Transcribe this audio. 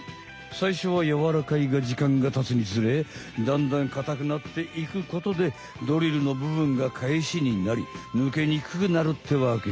さいしょはやわらかいがじかんがたつにつれだんだんかたくなっていくことでドリルのぶぶんがかえしになりぬけにくくなるってわけ。